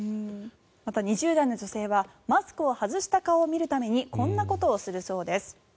また、２０代の女性はマスクを外した顔を見るためにこんなことをするそうです。